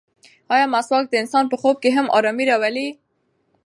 ایا مسواک د انسان په خوب کې هم ارامي راولي؟